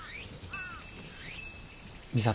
美里。